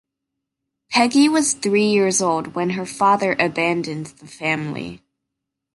Peggy was three years old when her father abandoned the family.